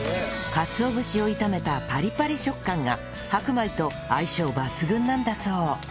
かつお節を炒めたパリパリ食感が白米と相性抜群なんだそう